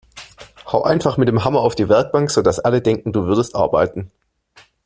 Hau einfach mit dem Hammer auf die Werkbank, sodass alle denken, du würdest arbeiten!